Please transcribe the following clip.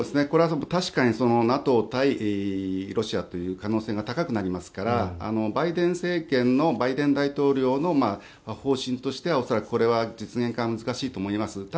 これは確かにＮＡＴＯ対ロシアという可能性が高くなりますからバイデン政権のバイデン大統領の方針としては恐らくこれは実現化は難しいと思います。